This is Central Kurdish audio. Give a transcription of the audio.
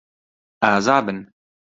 ئازا بن.